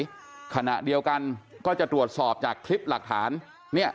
ขนาดไหนขณะเดียวกันก็จะตรวจสอบจากคลิปหลักฐาน